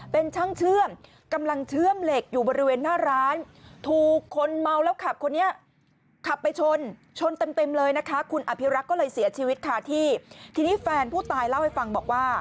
เป็นช่างเชื่อมกำลังเชื่อมเหล็ก